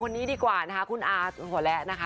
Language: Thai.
คนนี้ดีกว่านะคะคุณอาหัวและนะคะ